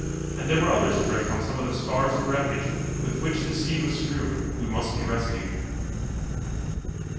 And there were others adrift on some of the spars and wreckage with which the sea was strewn, who must be rescued.